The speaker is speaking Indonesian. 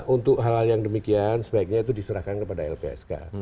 untuk hal hal yang demikian sebaiknya itu diserahkan kepada lpsk